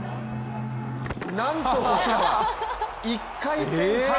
なんとこちらは１回転半。